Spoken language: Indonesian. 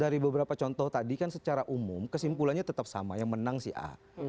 dari beberapa contoh tadi kan secara umum kesimpulannya tetap sama yang menang si a